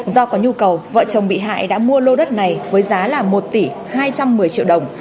do có nhu cầu vợ chồng bị hại đã mua lô đất này với giá là một tỷ hai trăm một mươi triệu đồng